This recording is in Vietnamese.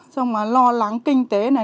trong mà lo lắng kinh tế này